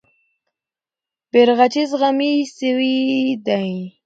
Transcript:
بیرغچی زخمي سوی دی.